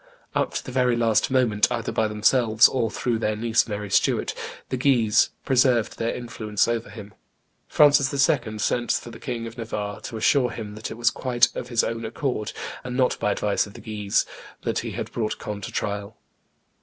Up to the very last moment, either by themselves or through their niece Mary Stuart, the Guises preserved their influence over him: Francis II. sent for the King of Navarre, to assure him that it was quite of his own accord, and not by advice of the Guises, that he had brought Conde to trial.